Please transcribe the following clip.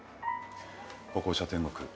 歩行者天国